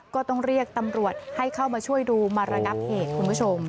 ก็ต้องเรียกตำรวจให้เข้ามาช่วยดูมาระงับเหตุคุณผู้ชม